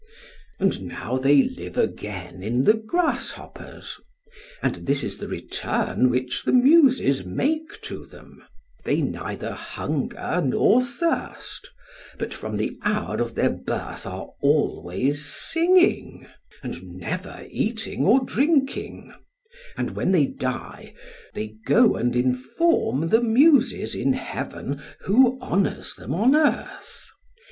And now they live again in the grasshoppers; and this is the return which the Muses make to them they neither hunger, nor thirst, but from the hour of their birth are always singing, and never eating or drinking; and when they die they go and inform the Muses in heaven who honours them on earth.